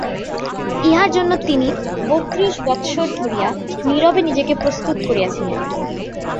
ইহার জন্য তিনি বত্রিশ বৎসর ধরিয়া নীরবে নিজেকে প্রস্তুত করিয়াছিলেন।